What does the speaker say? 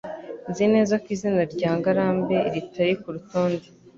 Nzi neza ko izina rya Ngarambe ritari kurutonde.